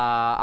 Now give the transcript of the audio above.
pulau gitu ya